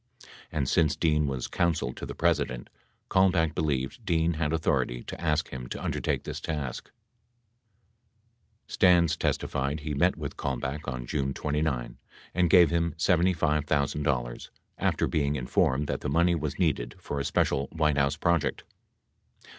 70 And, since Dean was Counsel to the President, Kalmbach believed Dean had authority to ask him to undertake this task. 71 Stans testified he met with Kalmbach on June 29 and gave him $75,000, after being informed that the money was needed for a special White House project.